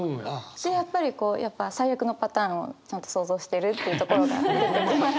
でやっぱり最悪のパターンをちゃんと想像してるっていうところがグッと来ます。